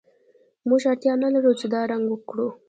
موږ اړتیا نلرو چې دا رنګ کړو